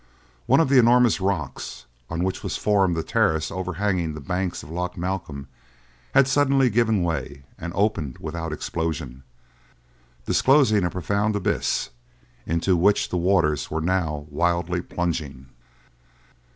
One of the enormous rocks, on which was formed the terrace overhanging the banks of Loch Malcolm, had suddenly given way and opened without explosion, disclosing a profound abyss, into which the waters were now wildly plunging.